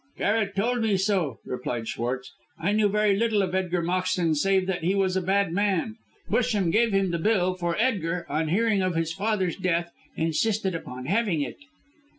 "Garret told me so," replied Schwartz. "I knew very little of Edgar Moxton save that he was a bad man. Busham gave him the bill, for Edgar, on hearing of his father's death, insisted upon having it."